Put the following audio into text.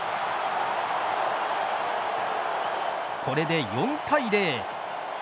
これで４対０。